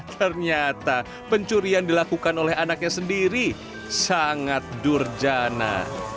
ternyata pencurian dilakukan oleh anaknya sendiri sangat durjana